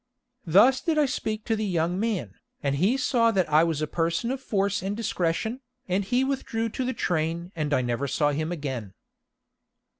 Thus did I speak to the young man, and he saw that I was a person of force and discretion, and he withdrew to the train and I never saw him again.